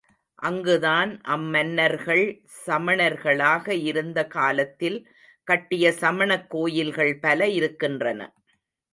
அங்குதான் அம்மன்னர்கள் சமணர்களாக இருந்த காலத்தில் கட்டிய சமணக் கோயில்கள் பல இருக்கின்றன.